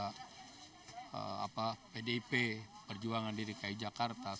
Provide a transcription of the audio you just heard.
saya juga bertemu dengan pdp perjuangan dirikai jakarta